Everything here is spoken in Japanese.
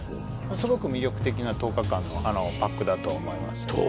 すごく魅力的な１０日間のパックだと思いますよ